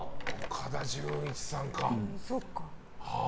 岡田准一さんか。